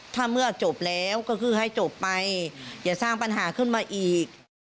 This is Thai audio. ถ้าเมื่อจบแล้วก็คือให้จบไปอย่าสร้างปัญหาขึ้นมาอีก